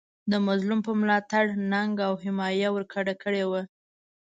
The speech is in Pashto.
د مظلوم په ملاتړ ننګه او حمایه ورګډه کړې وه.